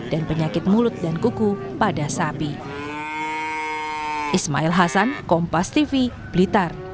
penyakit mulut dan kuku pada sapi